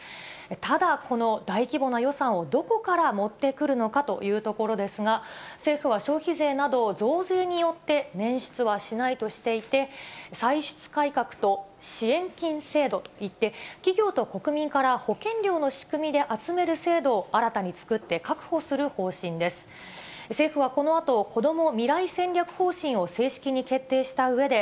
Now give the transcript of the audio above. ただ、この大規模な予算をどこから持ってくるのかというところですが、政府は消費税など増税によって、捻出はしないとしていて、歳出改革と支援金制度といって、企業と国民から保険料の仕組みで集める制度を新たに作って確保す「エアジェット除菌ＥＸ」ならピンク汚れ予防も！